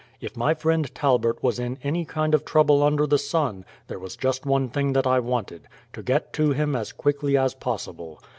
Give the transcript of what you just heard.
If my friend Talbert was in any kind of trouble under the sun, there was just one thing that I wanted to get to him as quickly as possible.